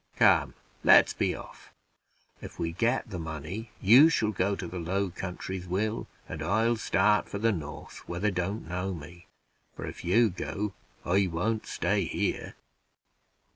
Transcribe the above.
Come, let's be off; if we get the money, you shall go to the Low Countries, Will, and I'll start for the North, where they don't know me; for if you go, I won't stay here."